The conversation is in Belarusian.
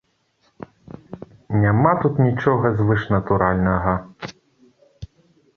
Няма тут нічога звышнатуральнага.